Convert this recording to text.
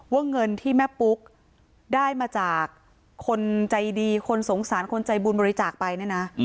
เงินที่แม่ปุ๊กได้มาจากคนใจดีคนสงสารคนใจบุญบริจาคไปเนี่ยนะ